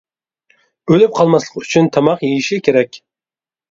ئۆلۈپ قالماسلىقى ئۈچۈن تاماق يېيىشى كېرەك.